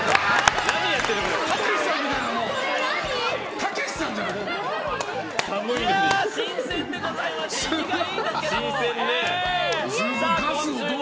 たけしさんじゃない、もう。